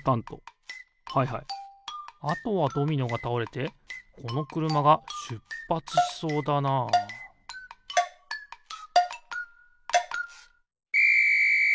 はいはいあとはドミノがたおれてこのくるまがしゅっぱつしそうだなあピッ！